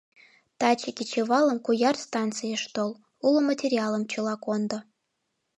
Таче кечывалым Куяр станцийыш тол, уло материалым чыла кондо.